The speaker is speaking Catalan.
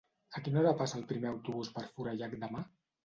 A quina hora passa el primer autobús per Forallac demà?